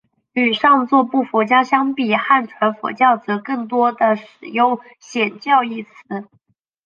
与上座部佛教相比汉传佛教则更多地使用显教一词。